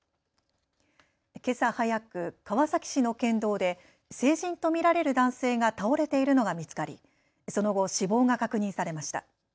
けさ早く、川崎市の県道で成人と見られる男性が倒れているのが見つかりその後、死亡が確認されました。